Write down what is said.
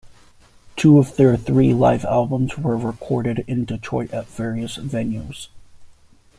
Two of their three live albums were recorded in Detroit at various venues.